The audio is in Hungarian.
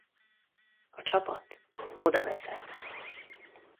A csapat odaveszett.